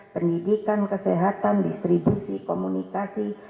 pendidikan kesehatan distribusi komunikasi